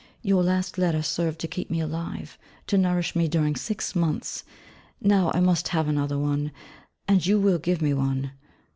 Your last letter served to keep me alive, to nourish me during six months. Now I must have another one; and you will give me one.